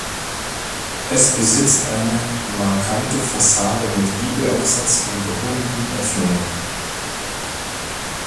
Es besitzt eine markante Fassade mit Giebelaufsatz und runden Öffnungen.